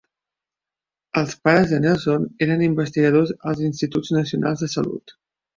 Els pares de Nelson eren investigadors als Instituts Nacionals de Salut.